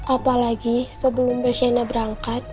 apalagi sebelum mbak shena berangkat